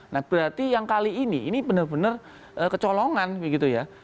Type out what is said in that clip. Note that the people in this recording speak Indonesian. nah berarti yang kali ini ini benar benar kecolongan begitu ya